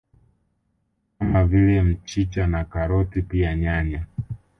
Kama vile mchicha na Karoti pia nyanya